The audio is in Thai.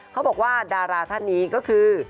เขาบอกว่าดาราธนีก็คือ